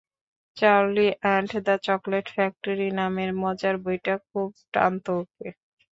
Charlie and the Chocolate Factory নামের মজার বইটা খুব টানত ওকে।